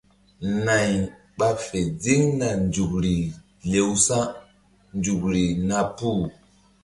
Nay ɓa fe ziŋna nzukri lewsa̧nzukri na puh.